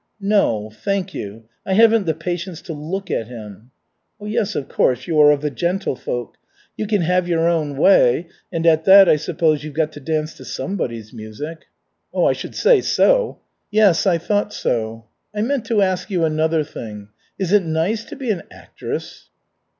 "No. Thank you. I haven't the patience to look at him." "Yes, of course, you are of the gentlefolk. You can have your own way, and at that I suppose you've got to dance to somebody's music." "Oh, I should say so." "Yes, I thought so. I meant to ask you another thing. Is it nice to be an actress?"